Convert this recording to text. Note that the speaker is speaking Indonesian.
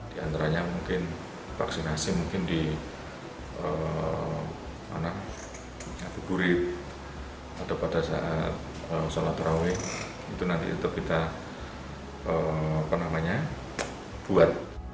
di antaranya mungkin vaksinasi mungkin di kebupurit atau pada saat salat tarawih itu nanti itu kita buat